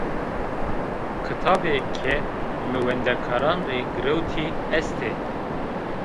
Kitabê ke mi wendekaran rê girewtî, est ê